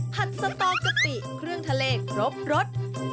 ผัดสตอกะปิเครื่องทะเลครบรส